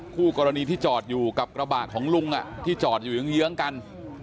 คู่กรณีที่จอดอยู่กับกระบะของลุงที่จอดอยู่เยื้องกัน